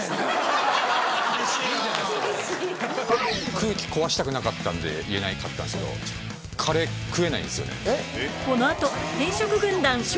空気壊したくなかったんで言えなかったんですけどカレー食えないんですよね。